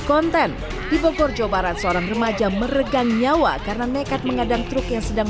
konten di bogor jawa barat seorang remaja meregang nyawa karena nekat mengadang truk yang sedang